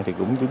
thì cũng đúng